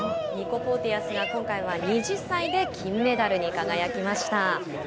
ニコ・ポーティアスが今回は２０歳で金メダルに輝きました。